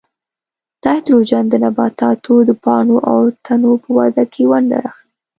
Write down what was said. نایتروجن د نباتاتو د پاڼو او تنو په وده کې ونډه اخلي.